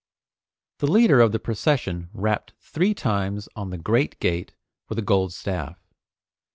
The leader of the procession rapped three times on the great gate with a gold staff.